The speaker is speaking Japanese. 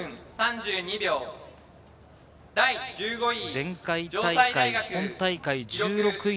前回大会、本大会１６位